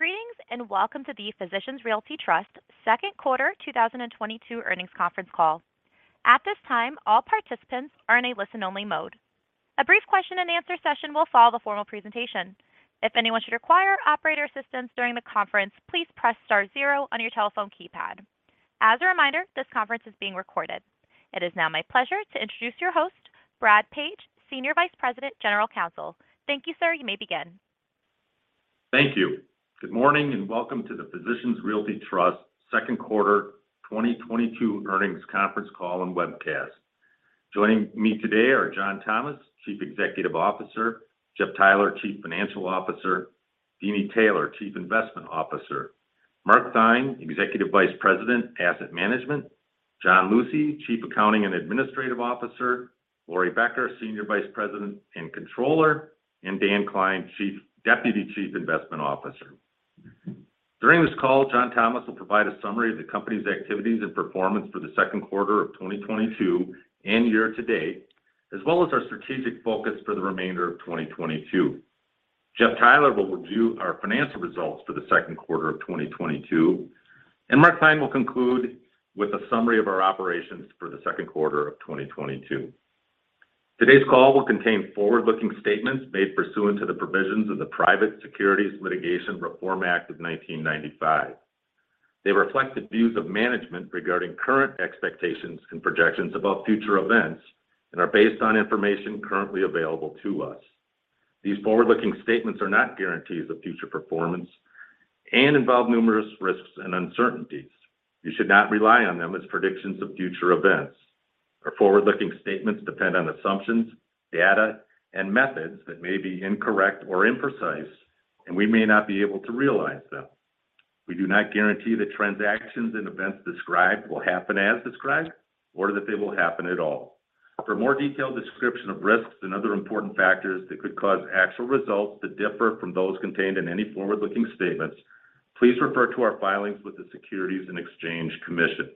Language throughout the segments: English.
Greetings, and welcome to the Physicians Realty Trust second quarter 2022 earnings conference call. At this time, all participants are in a listen-only mode. A brief Q&A session will follow the formal presentation. If anyone should require operator assistance during the conference, please press star zero on your telephone keypad. As a reminder, this conference is being recorded. It is now my pleasure to introduce your host, Brad Page, Senior Vice President, General Counsel. Thank you, sir. You may begin. Thank you. Good morning, and welcome to the Physicians Realty Trust second quarter 2022 earnings conference call and webcast. Joining me today are John Thomas, Chief Executive Officer, Jeff Theiler, Chief Financial Officer, Deeni Taylor, Chief Investment Officer, Mark Theine, Executive Vice President, Asset Management, John Lucey, Chief Accounting and Administrative Officer, Laurie Becker, Senior Vice President and Controller, and Dan Klein, Deputy Chief Investment Officer. During this call, John Thomas will provide a summary of the company's activities and performance for the second quarter of 2022 and year to date, as well as our strategic focus for the remainder of 2022. Jeff Theiler will review our financial results for the second quarter of 2022, and Mark Theine will conclude with a summary of our operations for the second quarter of 2022. Today's call will contain forward-looking statements made pursuant to the provisions of the Private Securities Litigation Reform Act of 1995. They reflect the views of management regarding current expectations and projections about future events and are based on information currently available to us. These forward-looking statements are not guarantees of future performance and involve numerous risks and uncertainties. You should not rely on them as predictions of future events. Our forward-looking statements depend on assumptions, data, and methods that may be incorrect or imprecise, and we may not be able to realize them. We do not guarantee the transactions and events described will happen as described or that they will happen at all. For a more detailed description of risks and other important factors that could cause actual results to differ from those contained in any forward-looking statements, please refer to our filings with the Securities and Exchange Commission.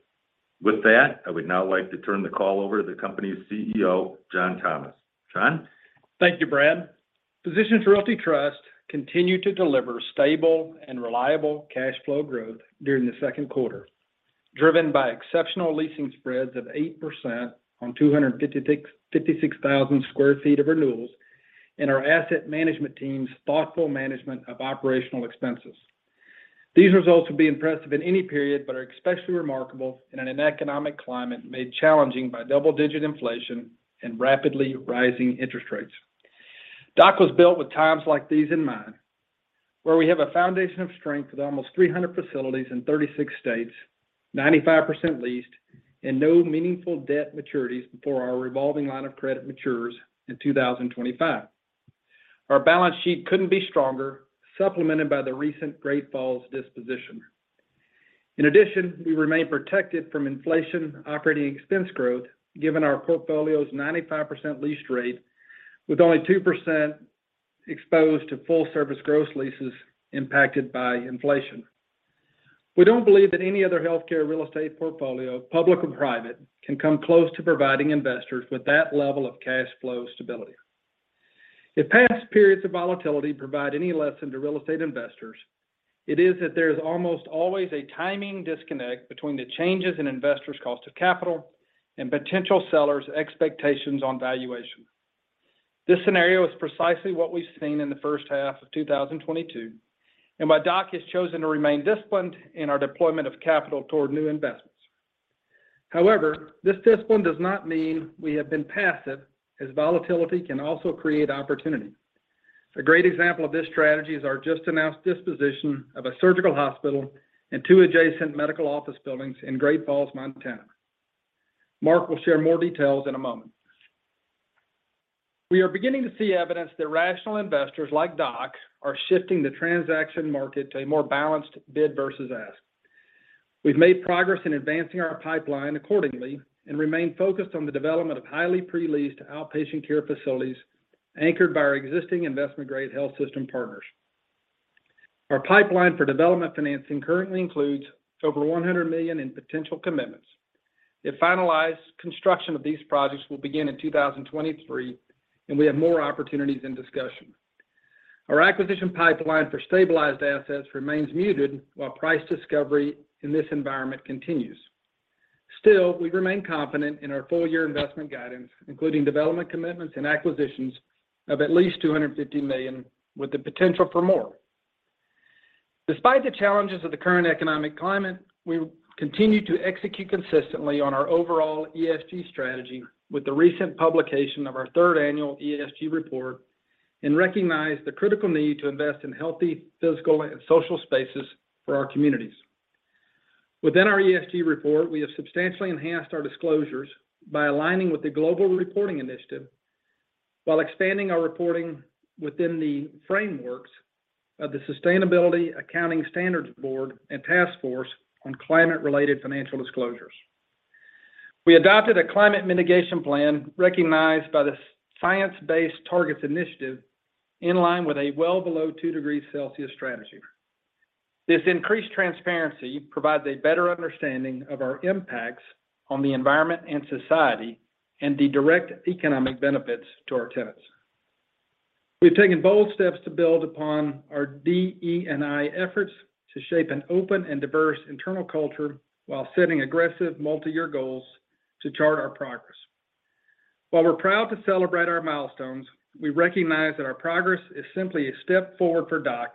With that, I would now like to turn the call over to the company's CEO, John Thomas. John? Thank you, Brad. Physicians Realty Trust continued to deliver stable and reliable cash flow growth during the second quarter, driven by exceptional leasing spreads of 8% on 256,000 sq ft of renewals and our asset management team's thoughtful management of operational expenses. These results would be impressive in any period, but are especially remarkable in an economic climate made challenging by double-digit inflation and rapidly rising interest rates. DOC was built with times like these in mind, where we have a foundation of strength with almost 300 facilities in 36 states, 95% leased, and no meaningful debt maturities before our revolving line of credit matures in 2025. Our balance sheet couldn't be stronger, supplemented by the recent Great Falls disposition. In addition, we remain protected from inflationary operating expense growth, given our portfolio's 95% lease rate, with only 2% exposed to full-service gross leases impacted by inflation. We don't believe that any other healthcare real estate portfolio, public or private, can come close to providing investors with that level of cash flow stability. If past periods of volatility provide any lesson to real estate investors, it is that there is almost always a timing disconnect between the changes in investors' cost of capital and potential sellers' expectations on valuation. This scenario is precisely what we've seen in the first half of 2022, and why DOC has chosen to remain disciplined in our deployment of capital toward new investments. However, this discipline does not mean we have been passive, as volatility can also create opportunity. A great example of this strategy is our just-announced disposition of a surgical hospital and two adjacent medical office buildings in Great Falls, Montana. Mark will share more details in a moment. We are beginning to see evidence that rational investors like DOC are shifting the transaction market to a more balanced bid versus ask. We've made progress in advancing our pipeline accordingly and remain focused on the development of highly pre-leased outpatient care facilities anchored by our existing investment-grade health system partners. Our pipeline for development financing currently includes over $100 million in potential commitments. If finalized, construction of these projects will begin in 2023, and we have more opportunities in discussion. Our acquisition pipeline for stabilized assets remains muted while price discovery in this environment continues. Still, we remain confident in our full-year investment guidance, including development commitments and acquisitions of at least $250 million with the potential for more. Despite the challenges of the current economic climate, we continue to execute consistently on our overall ESG strategy with the recent publication of our third annual ESG report and recognize the critical need to invest in healthy physical and social spaces for our communities. Within our ESG report, we have substantially enhanced our disclosures by aligning with the Global Reporting Initiative while expanding our reporting within the frameworks of the Sustainability Accounting Standards Board and Task Force on Climate-related Financial Disclosures. We adopted a climate mitigation plan recognized by the Science Based Targets initiative in line with a well below two degrees Celsius strategy. This increased transparency provides a better understanding of our impacts on the environment and society and the direct economic benefits to our tenants. We've taken bold steps to build upon our DE&I efforts to shape an open and diverse internal culture while setting aggressive multi-year goals to chart our progress. While we're proud to celebrate our milestones, we recognize that our progress is simply a step forward for DOC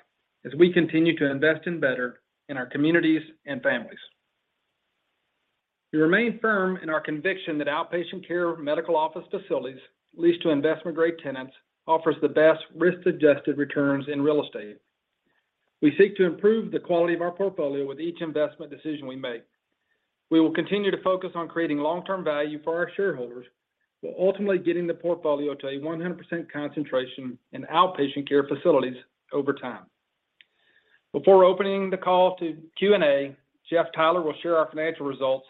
as we continue to invest in better in our communities and families. We remain firm in our conviction that outpatient care medical office facilities leased to investment grade tenants offers the best risk-adjusted returns in real estate. We seek to improve the quality of our portfolio with each investment decision we make. We will continue to focus on creating long-term value for our shareholders while ultimately getting the portfolio to a 100% concentration in outpatient care facilities over time. Before opening the call to Q&A, Jeff Theiler will share our financial results,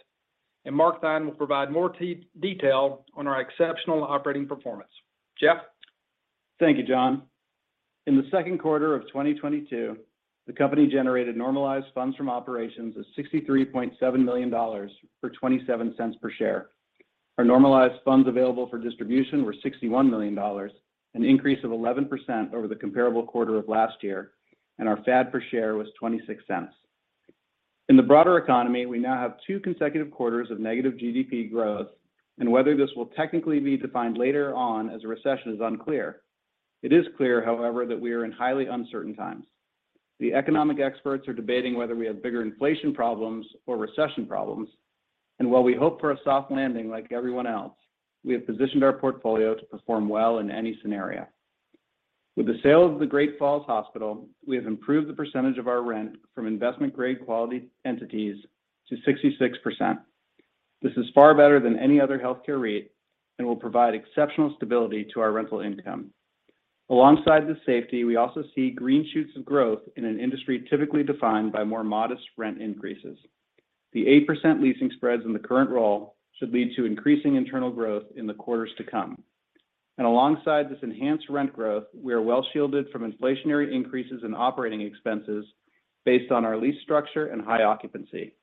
and Mark Theine will provide more detail on our exceptional operating performance. Jeff? Thank you, John. In the second quarter of 2022, the company generated normalized funds from operations of $63.7 million, or $0.27 per share. Our normalized funds available for distribution were $61 million, an increase of 11% over the comparable quarter of last year, and our FAD per share was $0.26. In the broader economy, we now have two consecutive quarters of negative GDP growth, and whether this will technically be defined later on as a recession is unclear. It is clear, however, that we are in highly uncertain times. The economic experts are debating whether we have bigger inflation problems or recession problems, and while we hope for a soft landing like everyone else, we have positioned our portfolio to perform well in any scenario. With the sale of the Great Falls Hospital, we have improved the percentage of our rent from investment grade quality entities to 66%. This is far better than any other healthcare REIT and will provide exceptional stability to our rental income. Alongside the safety, we also see green shoots of growth in an industry typically defined by more modest rent increases. The 8% leasing spreads in the current roll should lead to increasing internal growth in the quarters to come. Alongside this enhanced rent growth, we are well shielded from inflationary increases in operating expenses based on our lease structure and high occupancy.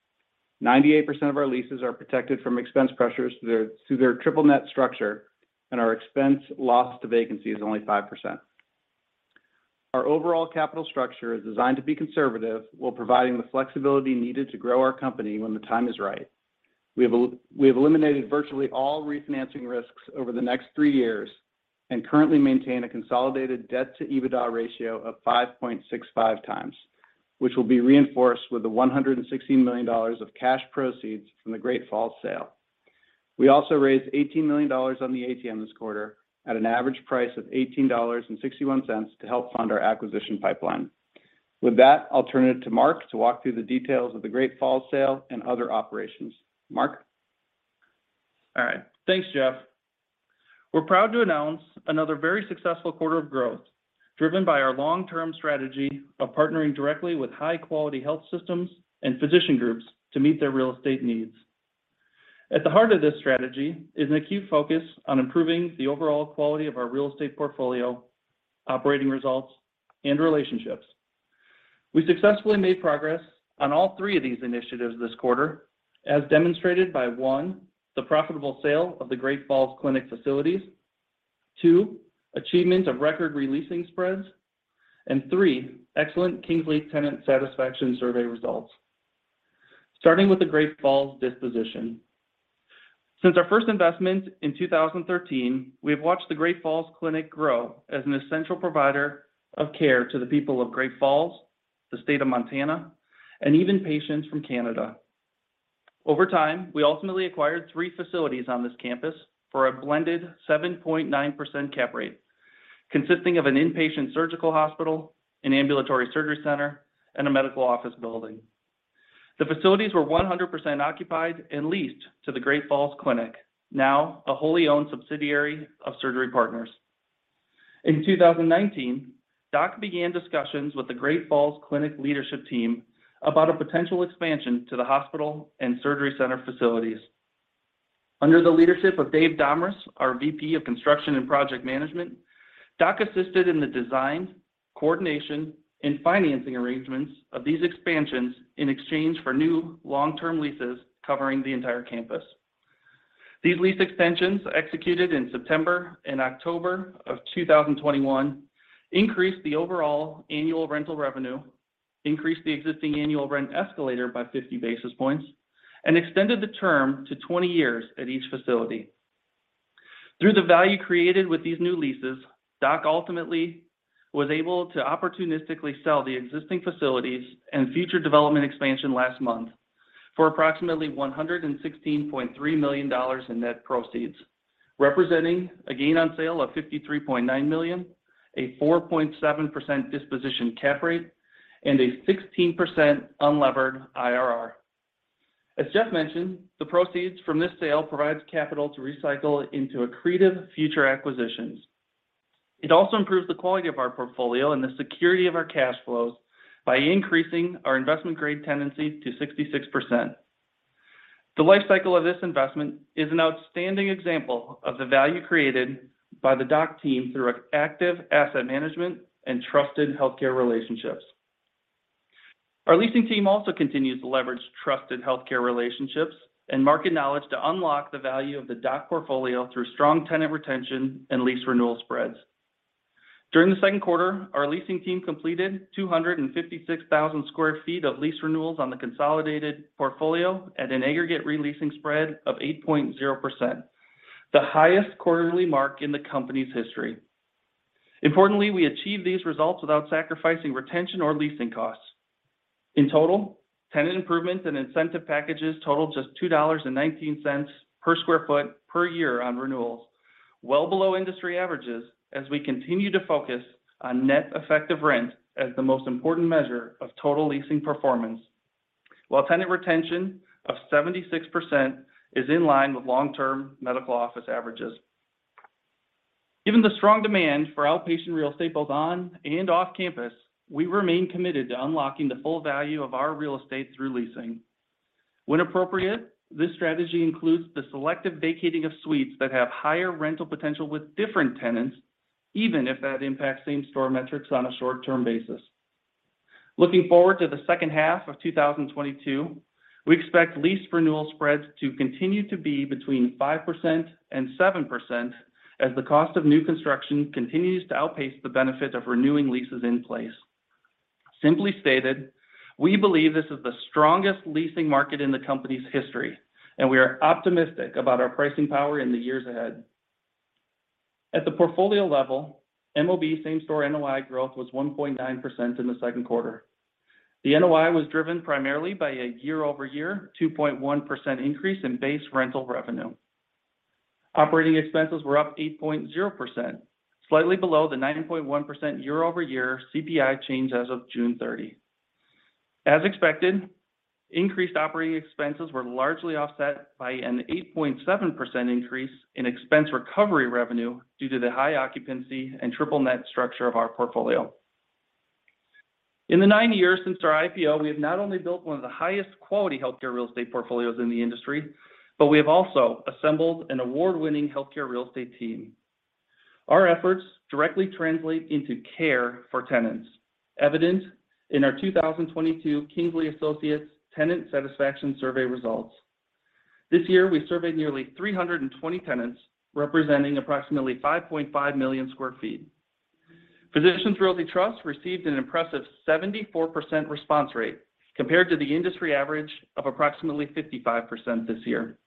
98% of our leases are protected from expense pressures through their triple net structure, and our expense loss to vacancy is only 5%. Our overall capital structure is designed to be conservative while providing the flexibility needed to grow our company when the time is right. We have eliminated virtually all refinancing risks over the next three years and currently maintain a consolidated debt to EBITDA ratio of 5.65x, which will be reinforced with the $116 million of cash proceeds from the Great Falls sale. We also raised $18 million on the ATM this quarter at an average price of $18.61 to help fund our acquisition pipeline. With that, I'll turn it to Mark to walk through the details of the Great Falls sale and other operations. Mark? All right. Thanks, Jeff. We're proud to announce another very successful quarter of growth driven by our long-term strategy of partnering directly with high-quality health systems and physician groups to meet their real estate needs. At the heart of this strategy is an acute focus on improving the overall quality of our real estate portfolio, operating results, and relationships. We successfully made progress on all three of these initiatives this quarter as demonstrated by, one, the profitable sale of the Great Falls Clinic facilities, two, achievement of record re-leasing spreads, and three, excellent Kingsley tenant satisfaction survey results. Starting with the Great Falls disposition. Since our first investment in 2013, we have watched the Great Falls Clinic grow as an essential provider of care to the people of Great Falls, the state of Montana, and even patients from Canada. Over time, we ultimately acquired three facilities on this campus for a blended 7.9% cap rate, consisting of an inpatient surgical hospital, an ambulatory surgery center, and a medical office building. The facilities were 100% occupied and leased to the Great Falls Clinic, now a wholly owned subsidiary of Surgery Partners. In 2019, DOC began discussions with the Great Falls Clinic leadership team about a potential expansion to the hospital and surgery center facilities. Under the leadership of David Domres, our VP of Construction and Project Management, DOC assisted in the design, coordination, and financing arrangements of these expansions in exchange for new long-term leases covering the entire campus. These lease extensions, executed in September and October of 2021, increased the overall annual rental revenue, increased the existing annual rent escalator by 50 basis points, and extended the term to 20 years at each facility. Through the value created with these new leases, DOC ultimately was able to opportunistically sell the existing facilities and future development expansion last month for approximately $116.3 million in net proceeds, representing a gain on sale of $53.9 million, a 4.7% disposition cap rate, and a 16% unlevered IRR. As Jeff mentioned, the proceeds from this sale provides capital to recycle into accretive future acquisitions. It also improves the quality of our portfolio and the security of our cash flows by increasing our investment grade tenancy to 66%. The life cycle of this investment is an outstanding example of the value created by the DOC team through active asset management and trusted healthcare relationships. Our leasing team also continues to leverage trusted healthcare relationships and market knowledge to unlock the value of the DOC portfolio through strong tenant retention and lease renewal spreads. During the second quarter, our leasing team completed 256,000 sq ft of lease renewals on the consolidated portfolio at an aggregate re-leasing spread of 8.0%, the highest quarterly mark in the company's history. Importantly, we achieved these results without sacrificing retention or leasing costs. In total, tenant improvements and incentive packages totaled just $2.19 per sq ft per year on renewals, well below industry averages as we continue to focus on net effective rent as the most important measure of total leasing performance. While tenant retention of 76% is in line with long-term medical office averages. Given the strong demand for outpatient real estate both on and off campus, we remain committed to unlocking the full value of our real estate through leasing. When appropriate, this strategy includes the selective vacating of suites that have higher rental potential with different tenants, even if that impacts same store metrics on a short-term basis. Looking forward to the second half of 2022, we expect lease renewal spreads to continue to be between 5% and 7% as the cost of new construction continues to outpace the benefit of renewing leases in place. Simply stated, we believe this is the strongest leasing market in the company's history, and we are optimistic about our pricing power in the years ahead. At the portfolio level, MOB same-store NOI growth was 1.9% in the second quarter. The NOI was driven primarily by a year-over-year 2.1% increase in base rental revenue. Operating expenses were up 8.0%, slightly below the 9.1% year-over-year CPI change as of June 30. As expected, increased operating expenses were largely offset by an 8.7% increase in expense recovery revenue due to the high occupancy and triple net structure of our portfolio. In the nine years since our IPO, we have not only built one of the highest quality healthcare real estate portfolios in the industry, but we have also assembled an award-winning healthcare real estate team. Our efforts directly translate into care for tenants, evident in our 2022 Kingsley Associates Tenant Satisfaction Survey results. This year, we surveyed nearly 320 tenants, representing approximately 5.5 million sq ft. Physicians Realty Trust received an impressive 74% response rate compared to the industry average of approximately 55% this year.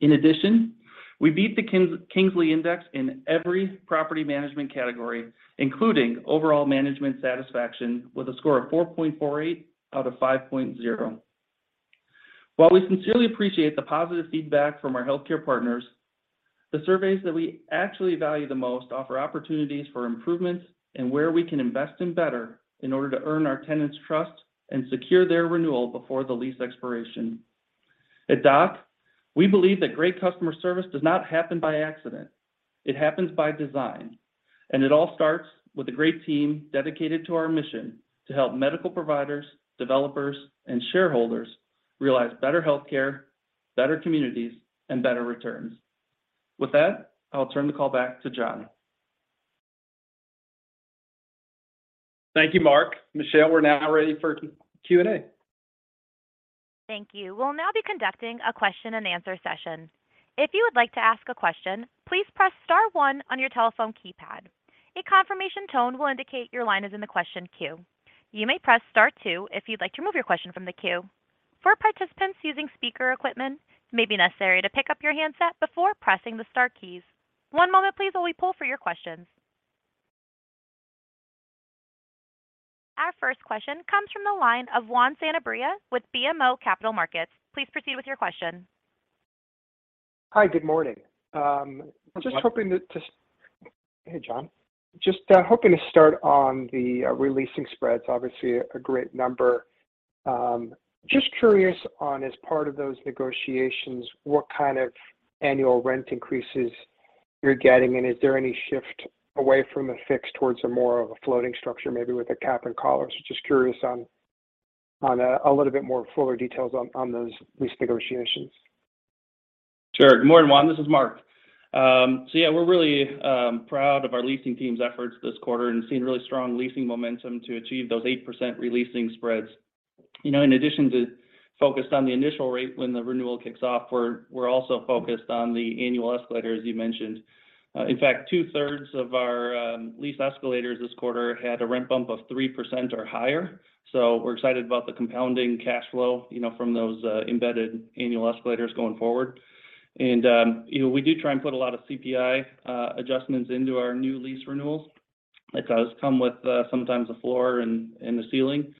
In addition, we beat the Kingsley Index in every property management category, including overall management satisfaction with a score of 4.48 out of 5.0. While we sincerely appreciate the positive feedback from our healthcare partners, the surveys that we actually value the most offer opportunities for improvements and where we can invest in better in order to earn our tenants' trust and secure their renewal before the lease expiration. At DOC, we believe that great customer service does not happen by accident. It happens by design, and it all starts with a great team dedicated to our mission to help medical providers, developers, and shareholders realize better healthcare, better communities, and better returns. With that, I'll turn the call back to John. Thank you, Mark. Michelle, we're now ready for Q&A. Thank you. We'll now be conducting a Q&A session. If you would like to ask a question, please press star one on your telephone keypad. A confirmation tone will indicate your line is in the question queue. You may press star two if you'd like to remove your question from the queue. For participants using speaker equipment, it may be necessary to pick up your handset before pressing the star keys. One moment please while we poll for your questions. Our first question comes from the line of Juan Sanabria with BMO Capital Markets. Please proceed with your question. Hi, good morning. Just hoping to. Good morning. Hey, John. Just hoping to start on the re-leasing spreads. Obviously a great number. Just curious on as part of those negotiations, what kind of annual rent increases you're getting, and is there any shift away from a fixed towards a more of a floating structure, maybe with a cap and collars? Just curious on a little bit more fuller details on those lease negotiations. Sure. Good morning, Juan. This is Mark. So yeah, we're really proud of our leasing team's efforts this quarter and seeing really strong leasing momentum to achieve those 8% re-leasing spreads. You know, in addition to focused on the initial rate when the renewal kicks off, we're also focused on the annual escalator, as you mentioned. In fact, 2/3 of our lease escalators this quarter had a rent bump of 3% or higher. We're excited about the compounding cash flow, you know, from those embedded annual escalators going forward. You know, we do try and put a lot of CPI adjustments into our new lease renewals. Those come with sometimes a floor and a ceiling.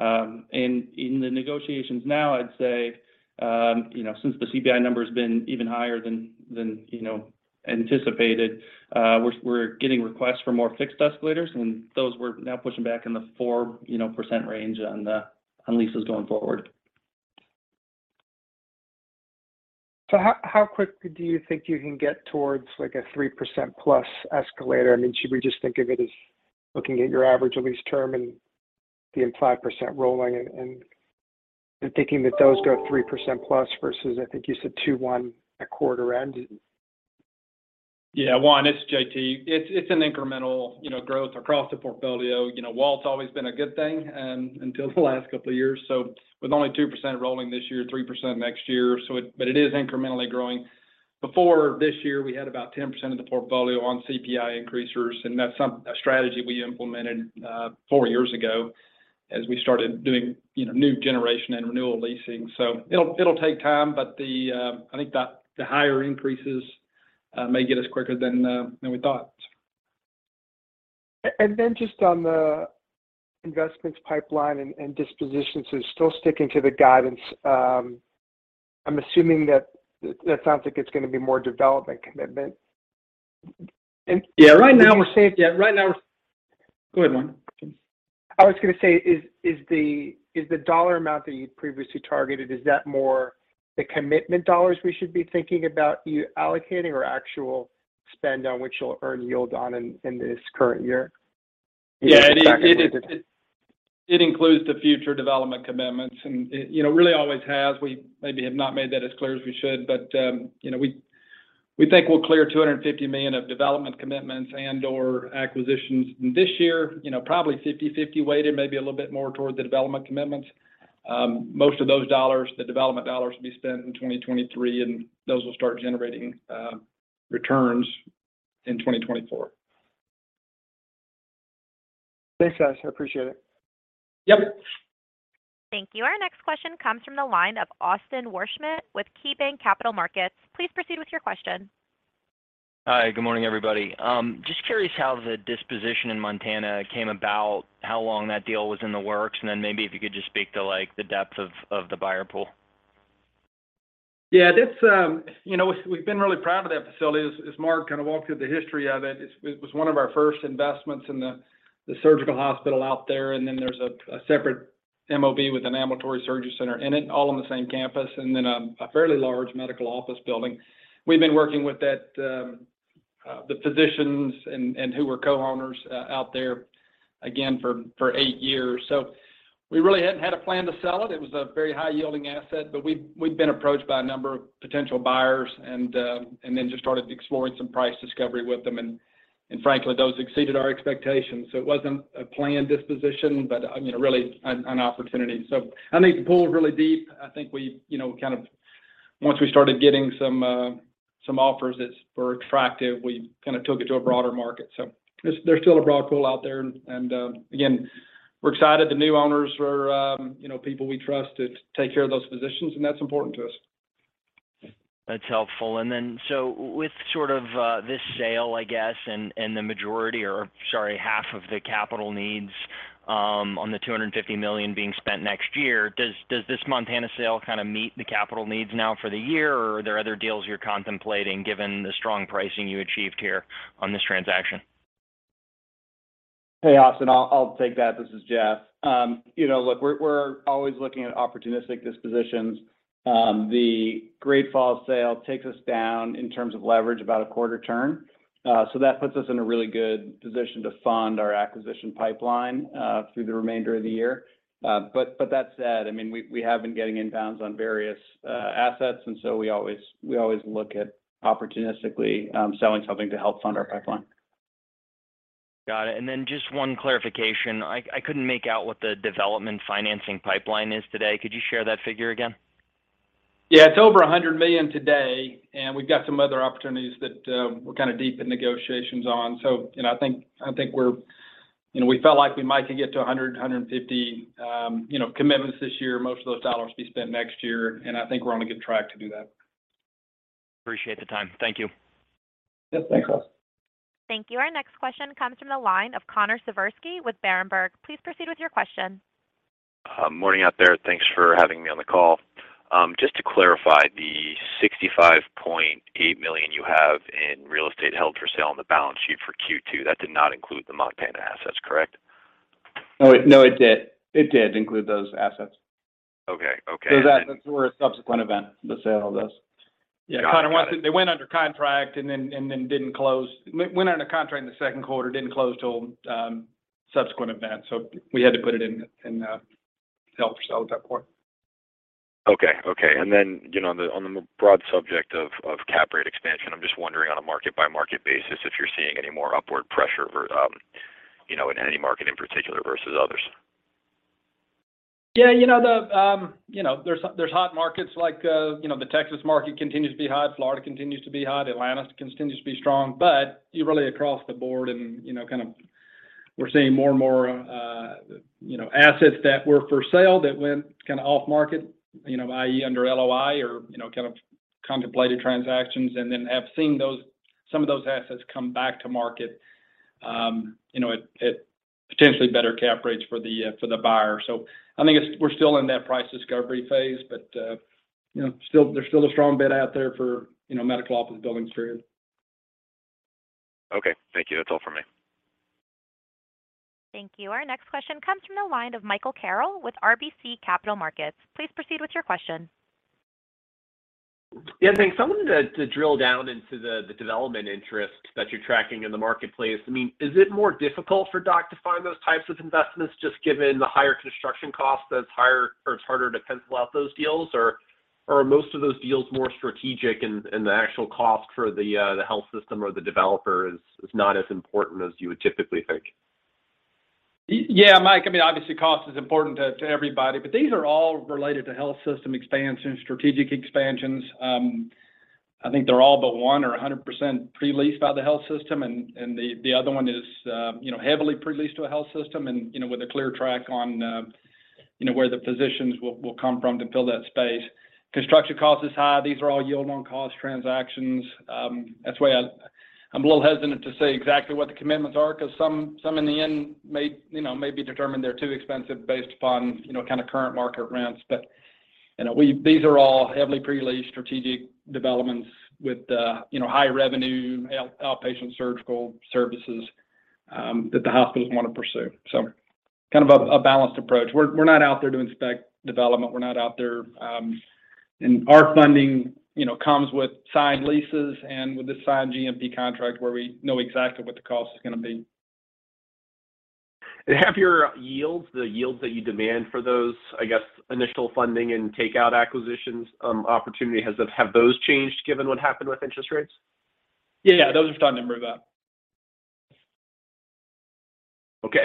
in the negotiations now, I'd say, you know, since the CPI number's been even higher than, you know, anticipated, we're getting requests for more fixed escalators and those we're now pushing back in the 4% range on leases going forward. How quick do you think you can get towards like a 3%+ escalator? I mean, should we just think of it as looking at your average lease term and being 5% rolling and thinking that those go 3%+ versus I think you said 2.1% at quarter end? Yeah. Juan Sanabria, it's J.T. It's an incremental, you know, growth across the portfolio. You know, WAL's always been a good thing until the last couple of years. With only 2% rolling this year, 3% next year. It is incrementally growing. Before this year, we had about 10% of the portfolio on CPI increases, and that's a strategy we implemented four years ago as we started doing, you know, new generation and renewal leasing. It'll take time, but I think the higher increases may get us quicker than we thought. Just on the investments pipeline and dispositions. Still sticking to the guidance, I'm assuming that that sounds like it's gonna be more development commitment. Yeah. Right now we're. Go ahead, Juan. I was gonna say, is the dollar amount that you'd previously targeted, is that more the commitment dollars we should be thinking about you allocating or actual spend on which you'll earn yield on in this current year? Yeah. It includes the future development commitments and it, you know, really always has. We maybe have not made that as clear as we should, but you know we think we'll clear $250 million of development commitments and/or acquisitions this year. You know, probably 50-50 weighted, maybe a little bit more toward the development commitments. Most of those dollars, the development dollars will be spent in 2023, and those will start generating returns in 2024. Thanks, guys. I appreciate it. Yep. Thank you. Our next question comes from the line of Austin Wurschmidt with KeyBanc Capital Markets. Please proceed with your question. Hi, good morning, everybody. Just curious how the disposition in Montana came about, how long that deal was in the works? And then maybe if you could just speak to like the depth of the buyer pool? Yeah, that's. You know, we've been really proud of that facility. As Mark kind of walked through the history of it was one of our first investments in the surgical hospital out there. There's a separate MOB with an ambulatory surgery center in it, all on the same campus, and then a fairly large medical office building. We've been working with that, the physicians and who were co-owners, out there again for eight years. We really hadn't had a plan to sell it. It was a very high yielding asset, but we'd been approached by a number of potential buyers and then just started exploring some price discovery with them, and frankly, those exceeded our expectations. It wasn't a planned disposition, but I mean, really an opportunity. I think the pool is really deep. I think we, you know, kind of once we started getting some offers that were attractive, we kind of took it to a broader market. There's still a broad pool out there. Again, we're excited the new owners are, you know, people we trust to take care of those physicians, and that's important to us. That's helpful. With sort of this sale, I guess, and half of the capital needs on the $250 million being spent next year, does this Montana sale kind of meet the capital needs now for the year, or are there other deals you're contemplating given the strong pricing you achieved here on this transaction? Hey, Austin. I'll take that. This is Jeff. You know, look, we're always looking at opportunistic dispositions. The Great Falls Clinic sale takes us down in terms of leverage about a quarter turn. So that puts us in a really good position to fund our acquisition pipeline through the remainder of the year. But that said, I mean, we have been getting inbounds on various assets, and so we always look at opportunistically selling something to help fund our pipeline. Got it. Just one clarification. I couldn't make out what the development financing pipeline is today. Could you share that figure again? Yeah, it's over $100 million today, and we've got some other opportunities that we're kind of deep in negotiations on. You know, we felt like we might could get to $100 million-$150 million commitments this year. You know, most of those dollars will be spent next year, and I think we're on a good track to do that. Appreciate the time. Thank you. Yes, thanks, Austin. Thank you. Our next question comes from the line of Connor Siversky with Berenberg. Please proceed with your question. Morning out there. Thanks for having me on the call. Just to clarify, the $65.8 million you have in real estate held for sale on the balance sheet for Q2, that did not include the Montana assets, correct? No, it did. It did include those assets. Okay. Those were a subsequent event, the sale of those. Yeah. Connor, they went under contract and then didn't close. Went under contract in the second quarter, didn't close till subsequent events, so we had to put it in held for sale at that point. Okay. You know, on the broad subject of cap rate expansion, I'm just wondering on a market by market basis if you're seeing any more upward pressure, you know, in any market in particular versus others? Yeah. You know, there's hot markets like, you know, the Texas market continues to be hot, Florida continues to be hot, Atlanta continues to be strong. You really across the board, you know, kind of we're seeing more and more, you know, assets that were for sale that went kind of off market, you know, i.e. under LOI or, you know, kind of contemplated transactions and then have seen those, some of those assets come back to market, you know, at potentially better cap rates for the buyer. I think it's. We're still in that price discovery phase, but, you know, still, there's still a strong bid out there for, you know, medical office buildings firm. Okay. Thank you. That's all for me. Thank you. Our next question comes from the line of Michael Carroll with RBC Capital Markets. Please proceed with your question. Yeah. Thanks. I wanted to drill down into the development interest that you're tracking in the marketplace. I mean, is it more difficult for DOC to find those types of investments just given the higher construction cost or it's harder to pencil out those deals? Or are most of those deals more strategic and the actual cost for the health system or the developer is not as important as you would typically think? Yeah, Mike. I mean, obviously cost is important to everybody, but these are all related to health system expansion, strategic expansions. I think they're all but one are 100% pre-leased by the health system and the other one is, you know, heavily pre-leased to a health system and, you know, with a clear track on, you know, where the physicians will come from to fill that space. Construction cost is high. These are all yield on cost transactions. That's why I'm a little hesitant to say exactly what the commitments are because some in the end may, you know, be determined they're too expensive based upon, you know, kind of current market rents. You know, we. These are all heavily pre-leased strategic developments with, you know, high revenue outpatient surgical services that the hospitals want to pursue. Kind of a balanced approach. We're not out there to spec development. We're not out there. Our funding, you know, comes with signed leases and with a signed GMP contract where we know exactly what the cost is gonna be. Have your yields, the yields that you demand for those, I guess, initial funding and takeout acquisitions, opportunity, have those changed given what happened with interest rates? Yeah. Those have gone anywhere but up. Okay.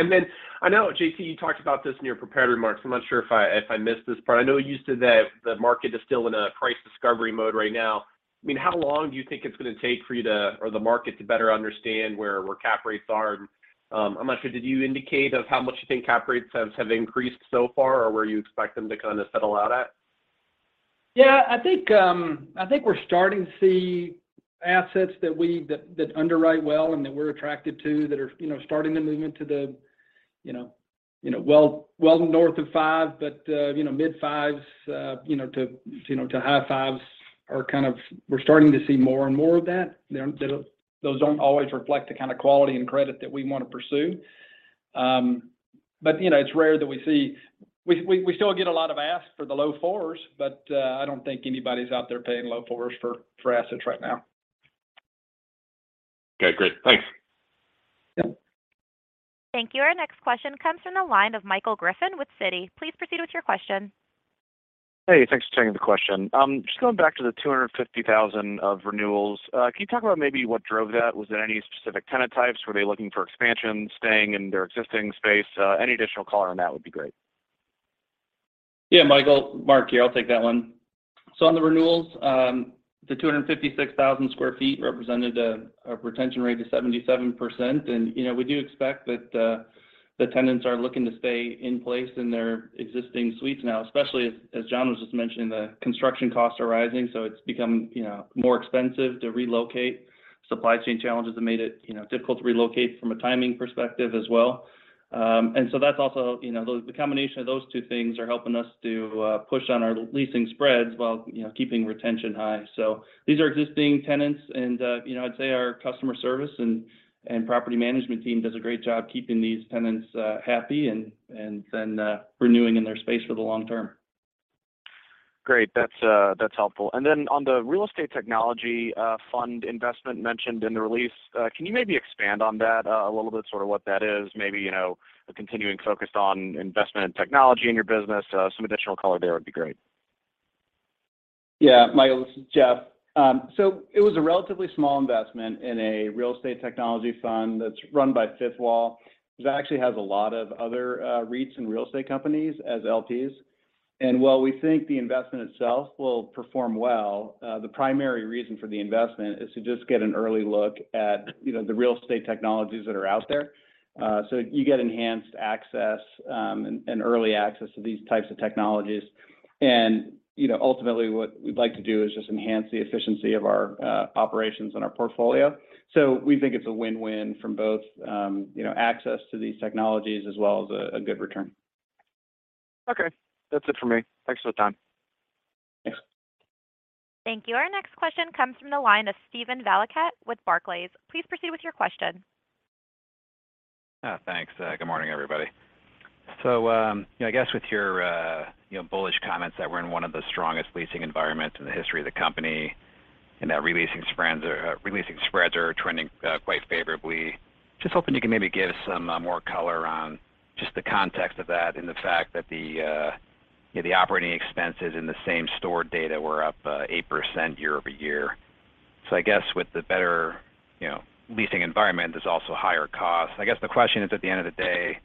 I know, J.T., you talked about this in your prepared remarks. I'm not sure if I missed this part. I know you said that the market is still in a price discovery mode right now. I mean, how long do you think it's gonna take for you to, or the market to better understand where cap rates are? I'm not sure, did you indicate of how much you think cap rates have increased so far or where you expect them to kind of settle out at? Yeah. I think we're starting to see assets that we underwrite well and that we're attracted to that are, you know, starting to move into the well north of 5%. Mid-fives to high fives are kind of. We're starting to see more and more of that. Those don't always reflect the kind of quality and credit that we want to pursue. It's rare that we see. We still get a lot of asks for the low fours, but I don't think anybody's out there paying low fours for assets right now. Okay. Great. Thanks. Yeah. Thank you. Our next question comes from the line of Michael Griffin with Citi. Please proceed with your question. Hey, thanks for taking the question. Just going back to the 250,000 sq ft of renewals. Can you talk about maybe what drove that? Was it any specific tenant types? Were they looking for expansion, staying in their existing space? Any additional color on that would be great. Yeah, Michael. Mark here. I'll take that one. On the renewals, the 256,000 sq ft represented a retention rate of 77%. You know, we do expect that the tenants are looking to stay in place in their existing suites now, especially as John was just mentioning, the construction costs are rising, so it's become, you know, more expensive to relocate. Supply chain challenges have made it, you know, difficult to relocate from a timing perspective as well. That's also, you know, the combination of those two things are helping us to push on our leasing spreads while, you know, keeping retention high. These are existing tenants and, you know, I'd say our customer service and property management team does a great job keeping these tenants, happy and then renewing in their space for the long term. Great. That's helpful. On the real estate technology fund investment mentioned in the release, can you maybe expand on that a little bit, sort of what that is? Maybe, you know, a continuing focus on investment in technology in your business. Some additional color there would be great. Yeah. Michael, this is Jeff. It was a relatively small investment in a real estate technology fund that's run by Fifth Wall, which actually has a lot of other REITs and real estate companies as LPs. While we think the investment itself will perform well, the primary reason for the investment is to just get an early look at, you know, the real estate technologies that are out there. You get enhanced access and early access to these types of technologies. You know, ultimately what we'd like to do is just enhance the efficiency of our operations and our portfolio. We think it's a win-win from both, you know, access to these technologies as well as a good return. Okay. That's it for me. Thanks for the time. Thanks. Thank you. Our next question comes from the line of Steven Valiquette with Barclays. Please proceed with your question. Thanks. Good morning, everybody. You know, I guess with your, you know, bullish comments that we're in one of the strongest leasing environments in the history of the company and that re-leasing spreads are trending quite favorably, just hoping you can maybe give some more color on just the context of that and the fact that, you know, the operating expenses in the same store data were up 8% year-over-year. I guess with the better, you know, leasing environment, there's also higher costs. I guess the question is at the end of the day,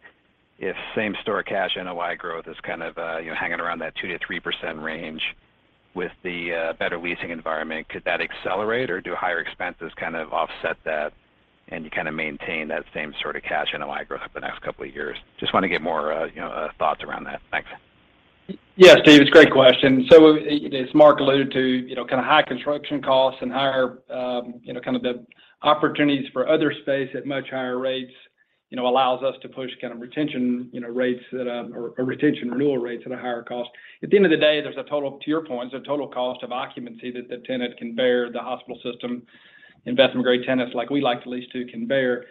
if same store cash NOI growth is kind of, you know, hanging around that 2%-3% range with the, better leasing environment, could that accelerate or do higher expenses kind of offset that and you kind of maintain that same sort of cash NOI growth over the next couple of years? Just want to get more, you know, thoughts around that. Thanks. Yeah, Steve. It's a great question. As Mark alluded to, you know, kind of high construction costs and higher, you know, kind of the opportunities for other space at much higher rates, you know, allows us to push kind of retention, you know, rates that or retention renewal rates at a higher cost. At the end of the day, there's a total, to your point, there's a total cost of occupancy that the tenant can bear, the hospital systems invest in great tenants like we like to lease to can bear.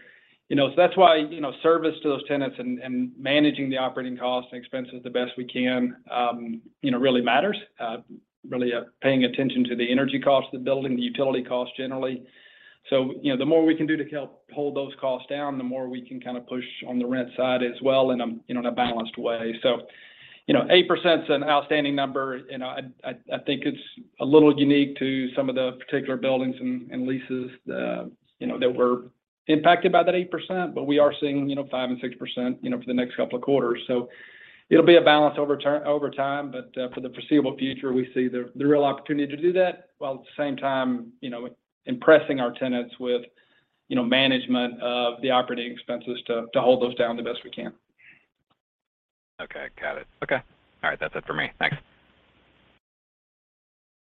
You know, that's why, you know, service to those tenants and managing the operating costs and expenses the best we can, you know, really matters. Really, paying attention to the energy costs of the building, the utility costs generally. You know, the more we can do to help hold those costs down, the more we can kind of push on the rent side as well in a balanced way. You know, 8%'s an outstanding number, and I think it's a little unique to some of the particular buildings and leases, you know, that were impacted by that 8%. We are seeing, you know, 5% and 6%, you know, for the next couple of quarters. It'll be a balance over time, but for the foreseeable future, we see the real opportunity to do that, while at the same time, you know, impressing our tenants with, you know, management of the operating expenses to hold those down the best we can. Okay. Got it. Okay. All right, that's it for me. Thanks.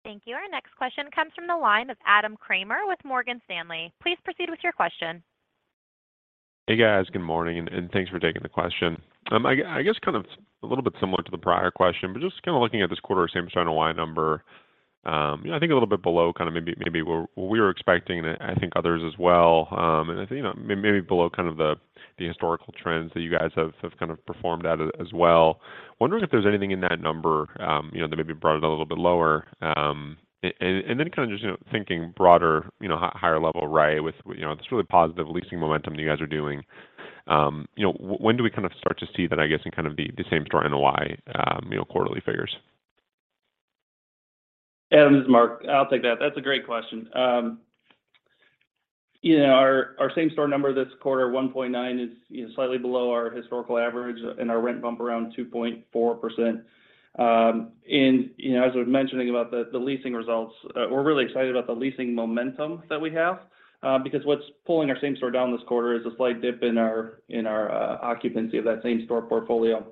Thank you. Our next question comes from the line of Adam Kramer with Morgan Stanley. Please proceed with your question. Hey, guys. Good morning, and thanks for taking the question. I guess kind of a little bit similar to the prior question, but just kind of looking at this quarter same store NOI number, you know, I think a little bit below kind of maybe what we were expecting and I think others as well. I think, you know, maybe below kind of the historical trends that you guys have performed at as well. Wondering if there's anything in that number, you know, that maybe brought it a little bit lower. Kind of just, you know, thinking broader, you know, higher level, right, with, you know, this really positive leasing momentum that you guys are doing. You know, when do we kind of start to see that, I guess, in kind of the same store NOI, you know, quarterly figures? Adam, this is Mark. I'll take that. That's a great question. You know, our same store number this quarter, 1.9%, is, you know, slightly below our historical average and our rent bump around 2.4%. You know, as I was mentioning about the leasing results, we're really excited about the leasing momentum that we have, because what's pulling our same store down this quarter is a slight dip in our occupancy of that same store portfolio.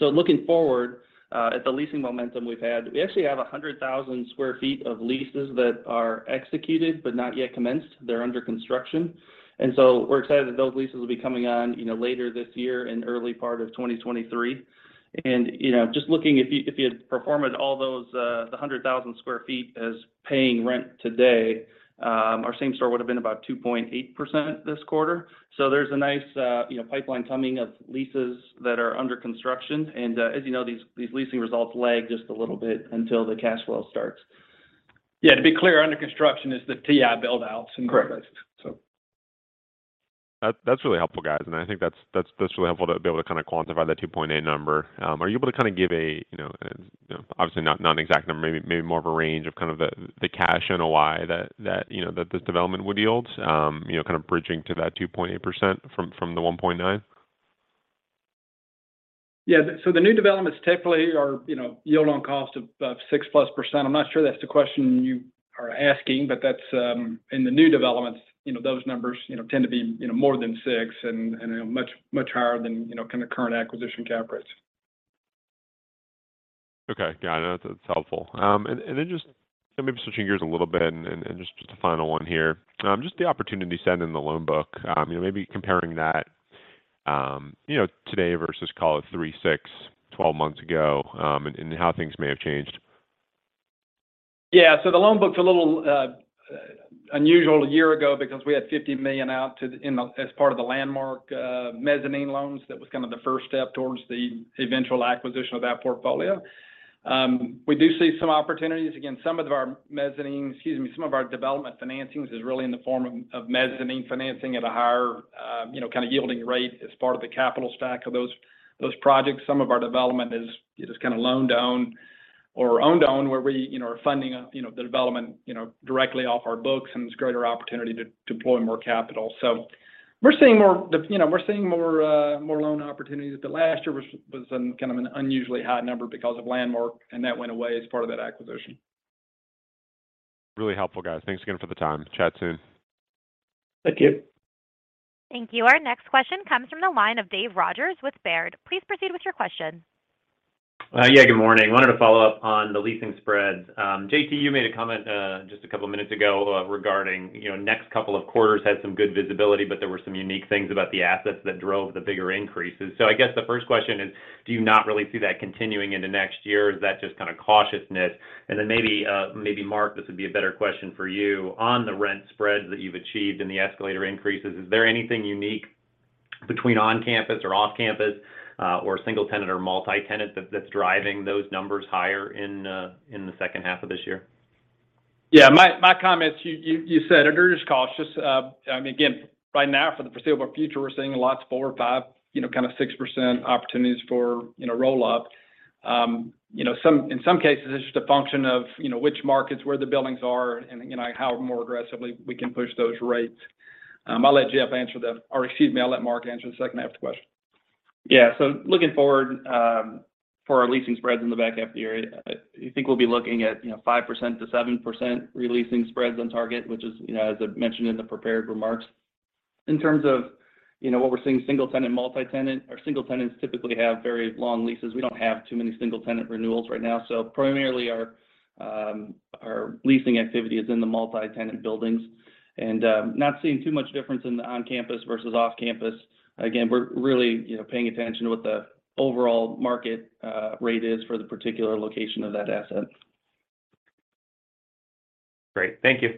Looking forward, at the leasing momentum we've had, we actually have 100,000 sq ft of leases that are executed but not yet commenced. They're under construction. We're excited that those leases will be coming on, you know, later this year and early part of 2023. You know, just looking, if you had performed all those, the 100,000 sq ft as paying rent today, our same store would have been about 2.8% this quarter. There's a nice, you know, pipeline coming of leases that are under construction. As you know, these leasing results lag just a little bit until the cash flow starts. Yeah, to be clear, under construction is the TI build outs and rent raises. Correct. So that's really helpful, guys. I think that's really helpful to be able to kind of quantify that 2.8% number. Are you able to kind of give a, you know, obviously not an exact number, maybe more of a range of kind of the cash NOI that this development would yield, you know, kind of bridging to that 2.8% from the 1.9%? The new developments typically are, you know, yield on cost of about 6%+. I'm not sure that's the question you are asking, but that's. In the new developments, you know, those numbers, you know, tend to be, you know, more than 6% and, you know, much higher than, you know, kind of current acquisition cap rates. Okay. Got it. That's helpful. Just maybe switching gears a little bit and just a final one here, just the opportunity set in the loan book, you know, maybe comparing that, you know, today versus call it three, six, 12 months ago, and how things may have changed. The loan book's a little unusual a year ago because we had $50 million out as part of the Landmark mezzanine loans. That was kind of the first step towards the eventual acquisition of that portfolio. We do see some opportunities. Again, some of our development financings is really in the form of mezzanine financing at a higher, you know, kind of yielding rate as part of the capital stack of those projects. Some of our development is kind of loan down or own down, where we, you know, are funding the development directly off our books, and there's greater opportunity to deploy more capital. We're seeing more loan opportunities, but last year was kind of an unusually high number because of Landmark, and that went away as part of that acquisition. Really helpful, guys. Thanks again for the time. Chat soon. Thank you. Thank you. Our next question comes from the line of Dave Rogers with Baird. Please proceed with your question. Yeah, good morning. Wanted to follow up on the leasing spreads. J.T., you made a comment just a couple of minutes ago regarding, you know, next couple of quarters had some good visibility, but there were some unique things about the assets that drove the bigger increases. I guess the first question is, do you not really see that continuing into next year? Is that just kind of cautiousness? Then maybe Mark, this would be a better question for you. On the rent spreads that you've achieved and the escalator increases, is there anything unique between on-campus or off-campus, or single tenant or multi-tenant that's driving those numbers higher in the second half of this year? Yeah. My comments, you said it. They're just cautious. I mean, again, right now for the foreseeable future, we're seeing lots 4% or 5,% you know, kind of 6% opportunities for, you know, roll-up. In some cases, it's just a function of, you know, which markets, where the buildings are and, you know, how more aggressively we can push those rates. I'll let Jeff answer or, excuse me, I'll let Mark answer the second half of the question. Yeah. Looking forward, for our leasing spreads in the back half of the year, I think we'll be looking at, you know, 5%-7% re-leasing spreads on target, which is, you know, as I mentioned in the prepared remarks. In terms of, you know, what we're seeing single tenant, multi-tenant, our single tenants typically have very long leases. We don't have too many single tenant renewals right now. Primarily our leasing activity is in the multi-tenant buildings and not seeing too much difference in the on-campus versus off-campus. Again, we're really, you know, paying attention to what the overall market rate is for the particular location of that asset. Great. Thank you.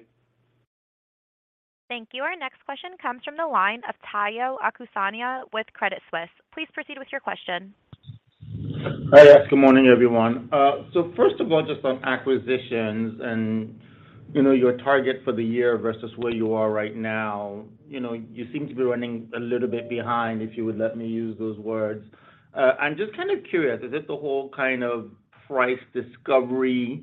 Thank you. Our next question comes from the line of Tayo Okusanya with Credit Suisse. Please proceed with your question. Hi. Yes, good morning, everyone. So first of all, just on acquisitions and, you know, your target for the year versus where you are right now. You know, you seem to be running a little bit behind, if you would let me use those words. I'm just kind of curious, is this the whole kind of price discovery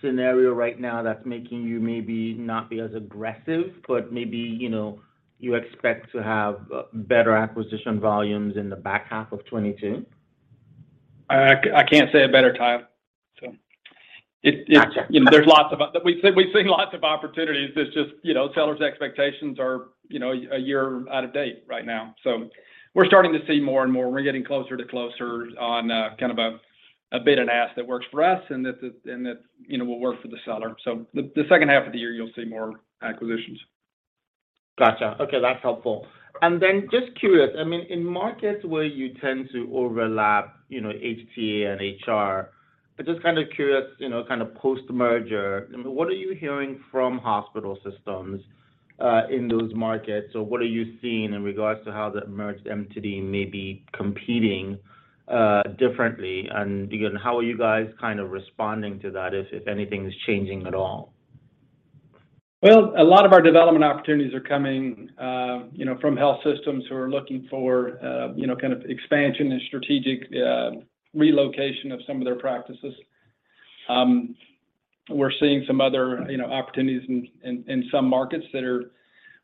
scenario right now that's making you maybe not be as aggressive, but maybe, you know, you expect to have better acquisition volumes in the back half of 2022? I can't say it better, Tayo. It Gotcha. You know, we've seen lots of opportunities. It's just, you know, sellers' expectations are, you know, a year out of date right now. We're starting to see more and more. We're getting closer on kind of a bid and ask that works for us and that, you know, will work for the seller. The second half of the year you'll see more acquisitions. Gotcha. Okay, that's helpful. Then just curious, I mean, in markets where you tend to overlap, you know, HCA and HR, I'm just kind of curious, you know, kind of post-merger, I mean, what are you hearing from hospital systems in those markets? Or what are you seeing in regards to how the merged entity may be competing differently? Again, how are you guys kind of responding to that if anything is changing at all? Well, a lot of our development opportunities are coming, you know, from health systems who are looking for, you know, kind of expansion and strategic, relocation of some of their practices. We're seeing some other, you know, opportunities in some markets that are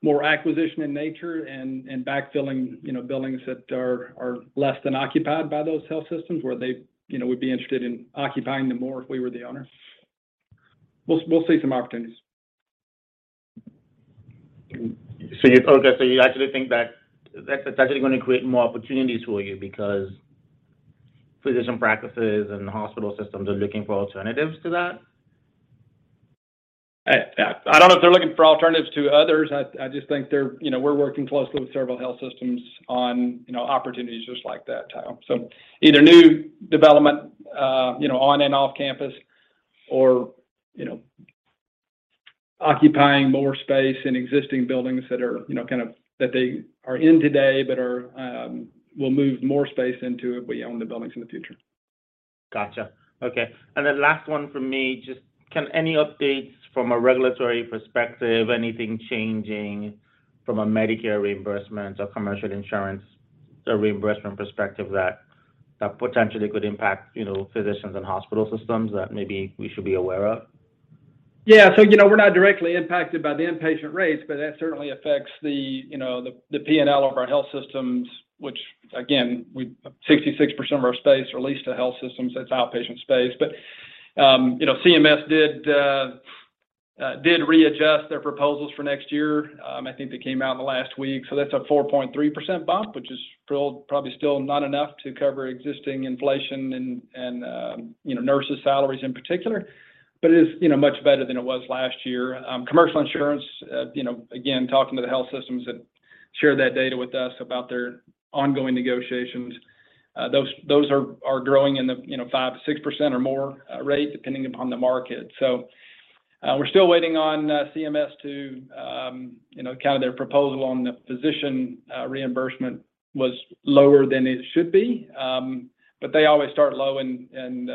more acquisition in nature and backfilling, you know, buildings that are less than occupied by those health systems where they, you know, would be interested in occupying them more if we were the owner. We'll see some opportunities. You actually think that that's actually gonna create more opportunities for you because physician practices and hospital systems are looking for alternatives to that? I don't know if they're looking for alternatives to others. I just think they're you know, we're working closely with several health systems on you know, opportunities just like that, Tayo. Either new development you know, on and off campus or you know, occupying more space in existing buildings that they are in today but will move more space into if we own the buildings in the future. Gotcha. Okay. Last one from me, just can any updates from a regulatory perspective, anything changing from a Medicare reimbursement or commercial insurance or reimbursement perspective that potentially could impact, you know, physicians and hospital systems that maybe we should be aware of? Yeah. You know, we're not directly impacted by the inpatient rates, but that certainly affects you know, the P&L of our health systems, which again, 66% of our space are leased to health systems. That's outpatient space. You know, CMS did readjust their proposals for next year. I think they came out in the last week. That's a 4.3% bump, which is still probably still not enough to cover existing inflation and you know, nurses' salaries in particular, but it is you know, much better than it was last year. Commercial insurance, you know, again, talking to the health systems that share that data with us about their ongoing negotiations, those are growing in the, you know, 5%-6% or more rate, depending upon the market. We're still waiting on CMS to come out with their proposal on the physician reimbursement was lower than it should be. They always start low and kind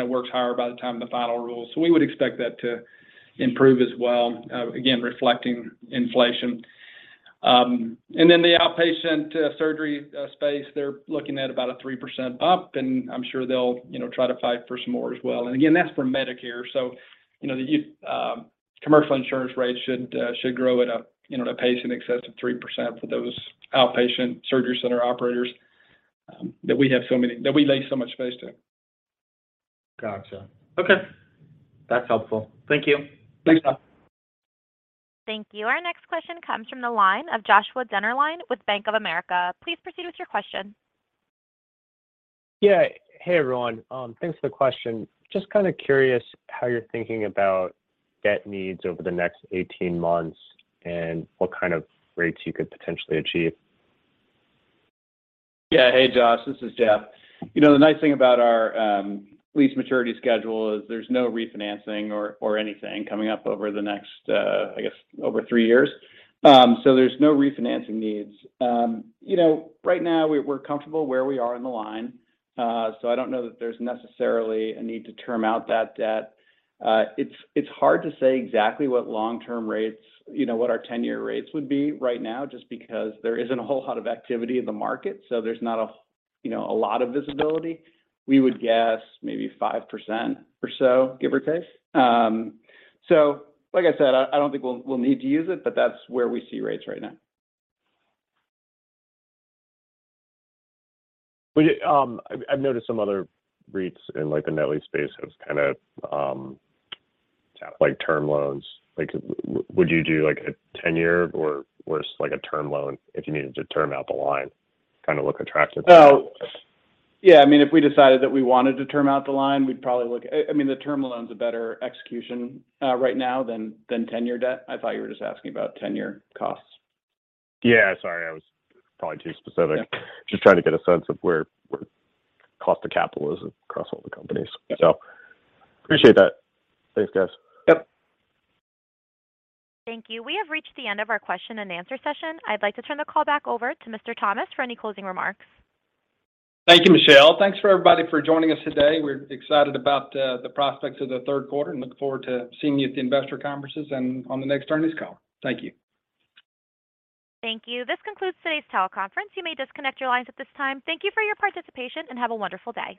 of works higher by the time of the final rule. We would expect that to improve as well, again, reflecting inflation. Then the outpatient surgery space, they're looking at about a 3% up, and I'm sure they'll, you know, try to fight for some more as well. Again, that's for Medicare. You know, commercial insurance rates should grow at a pace in excess of 3% for those outpatient surgery center operators that we lease so much space to. Gotcha. Okay. That's helpful. Thank you. Thanks. Thank you. Our next question comes from the line of Joshua Dennerlein with Bank of America. Please proceed with your question. Yeah. Hey, everyone. Thanks for the question. Just kind of curious how you're thinking about debt needs over the next 18 months and what kind of rates you could potentially achieve. Yeah. Hey, Josh, this is Jeff. You know, the nice thing about our lease maturity schedule is there's no refinancing or anything coming up over the next, I guess, over three years. So there's no refinancing needs. You know, right now we're comfortable where we are in the line. So I don't know that there's necessarily a need to term out that debt. It's hard to say exactly what long-term rates, you know, what our 10-year rates would be right now just because there isn't a whole lot of activity in the market. So there's not a lot of visibility. We would guess maybe 5% or so, give or take. So like I said, I don't think we'll need to use it, but that's where we see rates right now. I've noticed some other REITs in like the net lease space have kind of like term loans. Like, would you do like a 10-year or worse, like a term loan if you needed to term out the line, kind of look attractive. Oh, yeah. I mean, if we decided that we wanted to term out the line, we'd probably look I mean, the term loan's a better execution, right now than 10-year debt. I thought you were just asking about 10-year costs. Yeah. Sorry, I was probably too specific. Yeah. Just trying to get a sense of where cost of capital is across all the companies. Yeah. Appreciate that. Thanks, guys. Yep. Thank you. We have reached the end of our question and answer session. I'd like to turn the call back over to Mr. Thomas for any closing remarks. Thank you, Michelle. Thanks for everybody for joining us today. We're excited about the prospects of the third quarter and look forward to seeing you at the investor conferences and on the next earnings call. Thank you. Thank you. This concludes today's teleconference. You may disconnect your lines at this time. Thank you for your participation, and have a wonderful day.